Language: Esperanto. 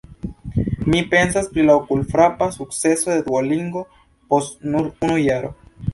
Mi pensas pri la okulfrapa sukceso de Duolingo post nur unu jaro.